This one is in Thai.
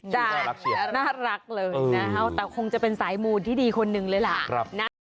ชื่อน่ารักเชียวนะครับน่ารักเลยนะครับแต่คงจะเป็นสายมูลที่ดีคนหนึ่งเลยล่ะ